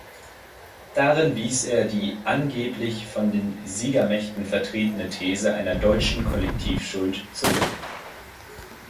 Darin wies er die angeblich von den Siegermächten vertretene These einer deutschen Kollektivschuld zurück.